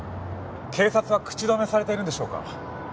警察は口止めされているんでしょうか？